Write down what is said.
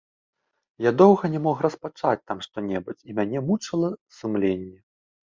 Я доўга не мог распачаць там што-небудзь, і мяне мучыла сумленне.